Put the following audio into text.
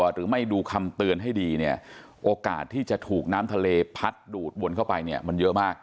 หรือไม่ดูคำเตือนให้ดีเนี่ยโอกาสที่จะถูกน้ำทะเลพัดดูดวนเข้าไปเนี่ยมันเยอะมาก